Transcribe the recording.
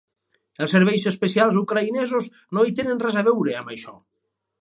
Els serveis especials ucraïnesos no hi tenen res a veure, amb això.